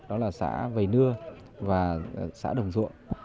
đó là xã vầy nưa và xã đồng duộng